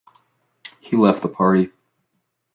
He left the party.